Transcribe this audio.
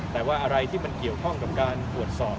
แต่ว่าอะไรที่มันเกี่ยวข้องกับการตรวจสอบ